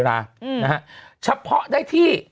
นะฮะเฉพาะได้ที่